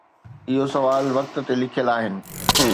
اهي سوال وقت تي لکيل آهن.